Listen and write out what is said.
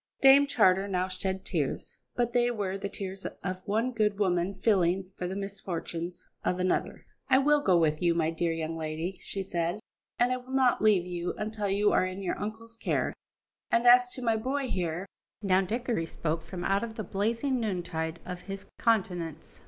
Dame Charter now shed tears, but they were the tears of one good woman feeling for the misfortunes of another. "I will go with you, my dear young lady," she said, "and I will not leave you until you are in your uncle's care. And, as to my boy here " Now Dickory spoke from out of the blazing noontide of his countenance.